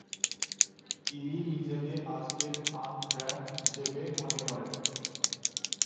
তিনি নিজেকে আজকের আন ফ্রাংক হিসাবে মনে করেন।